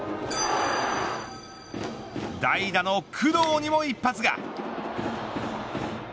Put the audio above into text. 代打の工藤にも一発が。